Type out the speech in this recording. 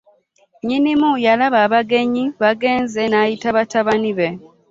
Nnyimu yalaba abagenyi bagenze nayita batabani be.